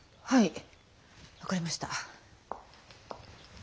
はい。